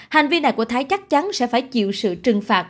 hành vi này của thái chắc chắn sẽ phải chịu sự trừng phạt